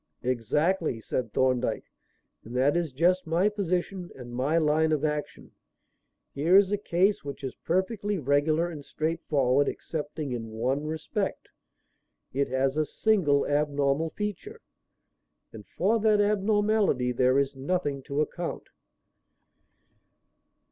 "Exactly," said Thorndyke. "And that is just my position and my line of action. Here is a case which is perfectly regular and straightforward excepting in one respect. It has a single abnormal feature. And for that abnormality there is nothing to account.